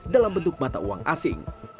dalam bentuk mata uang asing